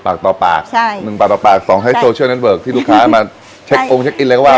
ปากต่อปากใช่หนึ่งปากต่อปากสองให้ที่ลูกค้ามาเช็คโอ้งเช็คอินอะไรก็ว่าไป